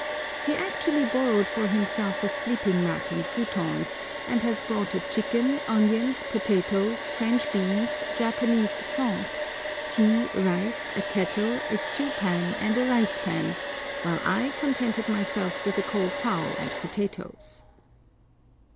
He actually borrowed for himself a sleeping mat and futons, and has brought a chicken, onions, potatoes, French beans, Japanese sauce, tea, rice, a kettle, a stew pan, and a rice pan, while I contented myself with a cold fowl and potatoes.